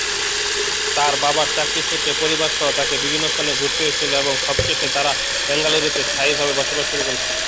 তাঁর বাবার চাকরি সূত্রে পরিবারসহ তাঁকে বিভিন্ন স্থানে ঘুরতে হয়েছিল এবং অবশেষে তাঁরা বেঙ্গালুরুতে স্থায়ীভাবে বসবাস শুরু করেছিলেন।